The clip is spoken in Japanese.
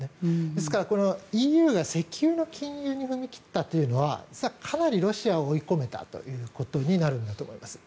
ですから、ＥＵが石油の禁輸に踏み切ったというのは実はかなりロシアを追い込めたということになると思います。